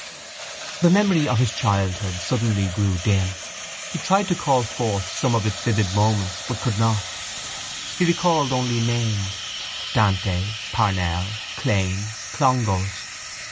The memory of his childhood suddenly grew dim. He tried to call forth some of its vivid moments but could not. He recalled only names. Dante, Parnell, Clane, Clongowes.